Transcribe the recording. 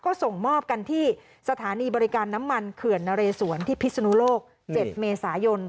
ก็ส่งมอบกันที่สถานีบริการน้ำมันเขื่อนนะเรสวนที่พิศนุโลก๗เมษายน